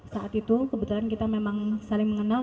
saat itu kebetulan kita memang saling mengenal